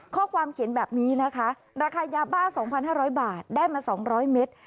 ข้อความเขียนแบบนี้นะคะราคายาบ้าสองพันห้าร้อยบาทได้มาสองร้อยเมตร